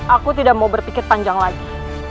aku tidak mau berpikir panjang lagi